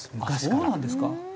あっそうなんですか。